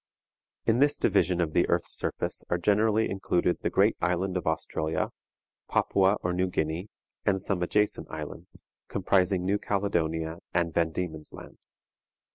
In this division of the earth's surface are generally included the great island of Australia, Papua or New Guinea, and some adjacent islands, comprising New Caledonia and Van Diemen's Land.